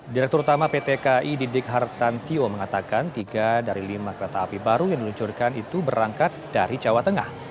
direktur utama pt ki didik hartantio mengatakan tiga dari lima kereta api baru yang diluncurkan itu berangkat dari jawa tengah